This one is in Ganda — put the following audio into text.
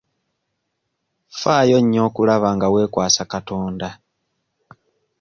Ffaayo nnyo okulaba nga weekwasa katonda.